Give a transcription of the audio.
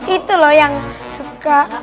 itu loh yang suka